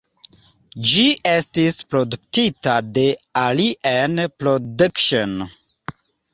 Ĝi estis produktita de Alien Productions.